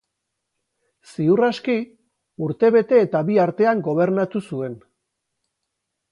Ziur aski, urte bete eta bi artean gobernatu zuen.